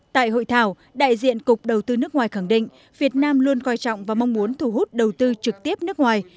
tại hội thảo đại diện cục đầu tư nước ngoài khẳng định việt nam luôn coi trọng và mong muốn thu hút đầu tư trực tiếp nước ngoài